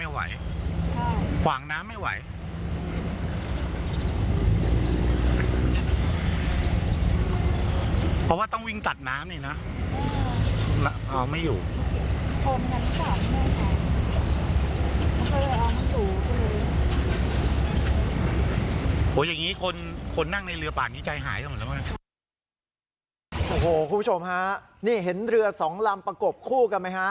โอ้โหคุณผู้ชมฮะนี่เห็นเรือสองลำประกบคู่กันไหมฮะ